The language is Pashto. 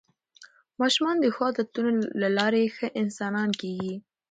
ماشومان د ښو عادتونو له لارې ښه انسانان کېږي